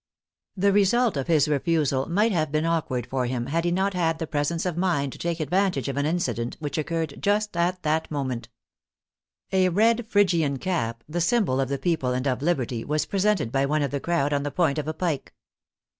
The result of his refusal might have been awkward for him had he not had the presence of mind to take ad vantage of an incident which occurred just at the moment. A red Phrygian cap, the symbol of the People and of Liberty, was presented by one of the crowd on the point of a pike.